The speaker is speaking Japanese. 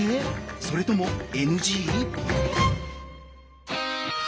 それともＮＧ？